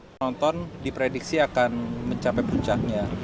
penonton diprediksi akan mencapai puncaknya